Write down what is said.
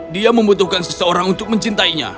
dia membutuhkan seseorang untuk mencintainya